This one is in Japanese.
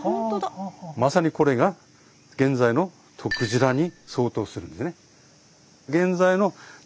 まさにこれが現在のとくじらに相当するんですね。